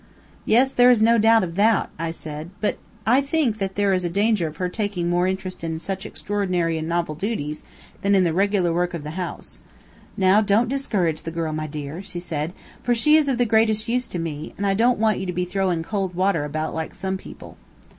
"Yes; there is no doubt of that," I said; "but I think that there is danger of her taking more interest in such extraordinary and novel duties than in the regular work of the house." "Now, don't discourage the girl, my dear," she said, "for she is of the greatest use to me, and I don't want you to be throwing cold water about like some people."